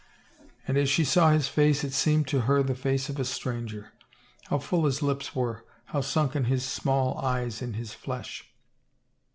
And as she saw his face it seemed to her the face of a stranger. How full his lips were, how sunken his small eyes in his flesh